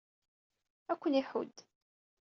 Ad ken-iḥudd.